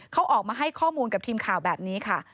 เขาออกมาให้ข้อมูลกับทีมข่าวแบบนี้ค่ะ